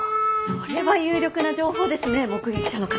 それは有力な情報ですね目撃者の方。